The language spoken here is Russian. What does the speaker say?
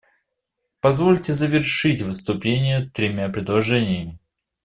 Позвольте завершить выступление тремя предложениями.